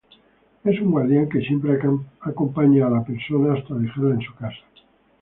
Es un guardián que siempre acompaña a la persona hasta dejarla en su casa.